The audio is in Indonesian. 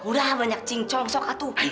kuda banyak cincong sok atuh